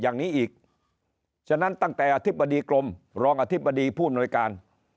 อย่างนี้อีกฉะนั้นตั้งแต่อธิบดีกรมรองอธิบดีผู้อำนวยการ